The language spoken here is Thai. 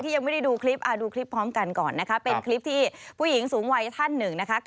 เขาตั้งชื่อว่าคลิปป้ารถแดง